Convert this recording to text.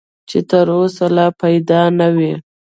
چې تر اوسه لا پیدا نه وي .